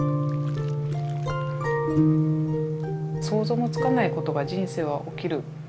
想像もつかないことが人生は起きる。